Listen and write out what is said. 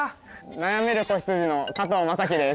悩める子羊の加藤正貴です。